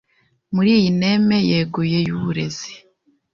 Muri iyi neme yeguye y’Uburezi